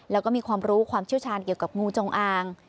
แล้วก็มีความรู้ความเชี่ยวชาญเกี่ยวกับงูจงอาง